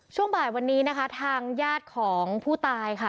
ช่วงบ่ายวันนี้นะคะทางญาติของผู้ตายค่ะ